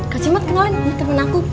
kak cimot kemaren ini temen aku putri